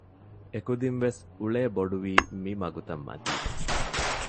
އެކުދިން ވެސް އުޅޭ ބޮޑުވީ މި މަގުތައް މަތީ